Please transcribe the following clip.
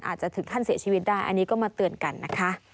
อาจจะถึงขั้นเสียชีวิตได้อันนี้ก็มาเตือนกันนะคะ